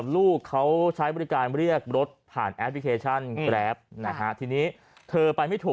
ลูกเขาใช้บริการเรียกรถผ่านแอปพลิเคชันแกรปนะฮะทีนี้เธอไปไม่ถูก